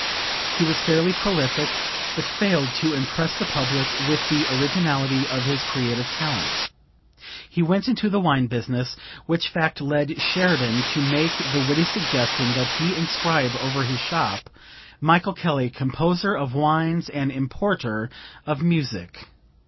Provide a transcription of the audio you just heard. He was fairly prolific, but failed to impress the public with the originality of his creative talent. He went into the wine business, which fact led Sheridan to make the witty suggestion that he inscribe over his shop: "Michael Kelly, Composer of Wines and Importer of Music."